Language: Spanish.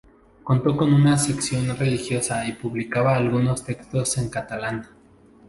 Contó con una sección religiosa y publicaba algunos textos en catalán.